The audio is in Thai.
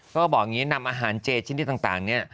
เขาก็บอกนี้นำอาหารเจชิ้นที่ต่างนี่